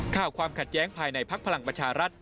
ข่าวความขัดแย้งภายในพักพลังประชารัฐ